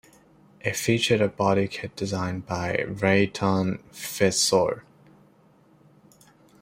It featured a body kit designed by Rayton Fissore.